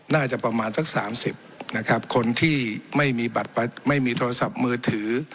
น่าจะประมาณสักสามสิบนะครับคนที่ไม่มีบัตรไม่มีโทรศัพท์มือถือ